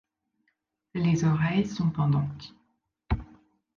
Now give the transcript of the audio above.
Les oreilles sont pendantes.